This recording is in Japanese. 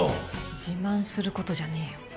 自慢する事じゃねえよ。